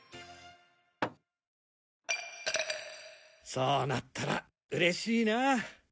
そうなったらうれしいなあ。